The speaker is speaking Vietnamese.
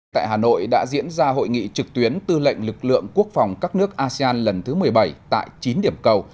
tại hà nội đã diễn ra hội nghị trực tuyến tư lệnh lực lượng quốc phòng các nước asean lần thứ một mươi bảy tại chín điểm cầu